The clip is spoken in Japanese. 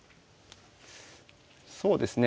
そうですね。